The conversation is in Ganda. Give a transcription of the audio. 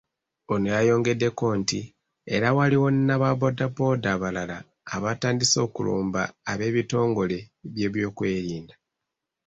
Ono yayongeddeko nti era waliwo n'aba bbooda bbooda abalala abatandise okulumba eb'ebitongole by'ebyokwerinda.